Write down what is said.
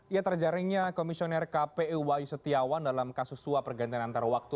ia terjaringnya komisioner kpu wai setiawan dalam kasus suap pergantian antarwaktu